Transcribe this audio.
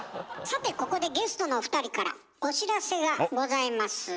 さてここでゲストの２人からお知らせがございます。